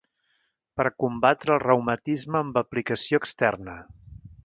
Per a combatre el reumatisme amb aplicació externa.